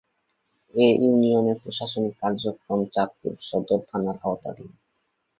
এ ইউনিয়নের প্রশাসনিক কার্যক্রম চাঁদপুর সদর থানার আওতাধীন।